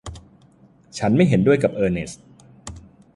ฉันไม่เห็นด้วยกับเออร์เนสท์